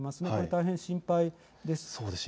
大変心配です。